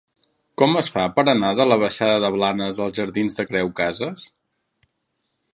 Com es fa per anar de la baixada de Blanes als jardins de Creu Casas?